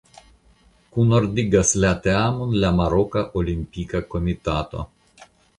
Kunordigas la teamon la Maroka Olimpika Komitato.